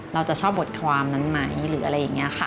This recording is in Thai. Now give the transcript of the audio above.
เราจะชอบบทความนั้นไหมหรืออะไรอย่างนี้ค่ะ